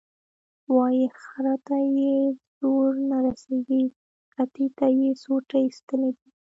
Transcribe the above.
وایي خره ته یې زور نه رسېږي، کتې ته یې سوټي ایستلي دي.